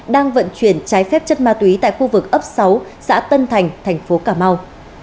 đang vận chuyển trái phép chất ma túy tại khu vực ấp sáu xã tân thành tp cà mau